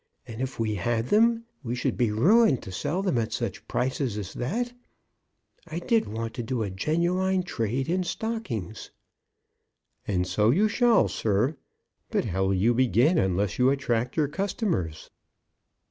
And if we had them, we should be ruined to sell them at such prices as that. I did want to do a genuine trade in stockings." "And so you shall, sir. But how will you begin unless you attract your customers?"